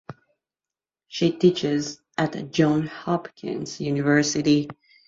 She teaches at Johns Hopkins University.